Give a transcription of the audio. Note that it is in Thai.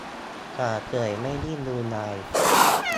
จ่าเฉยไม่นิ่งดูดาย